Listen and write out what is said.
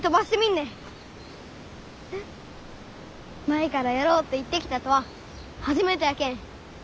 舞からやろうって言ってきたとは初めてやけん。